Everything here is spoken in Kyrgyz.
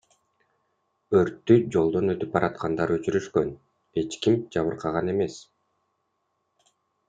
Өрттү жолдон өтүп бараткандар өчүрүшкөн, эч ким жабыркаган эмес.